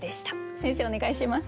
先生お願いします。